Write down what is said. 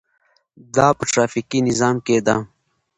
دا په ټرافیکي نظام کې ده.